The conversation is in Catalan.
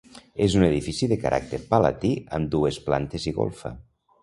És un edifici de caràcter palatí, amb dues plantes i golfa.